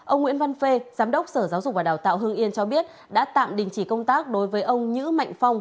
ông nguyễn văn phê giám đốc sở giáo dục và đào tạo hương yên cho biết đã tạm đình chỉ công tác đối với ông nhữ mạnh phong